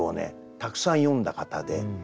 たくさん詠んだ方で。